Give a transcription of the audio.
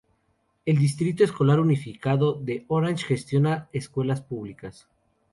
El Distrito Escolar Unificado de Orange gestiona escuelas públicas.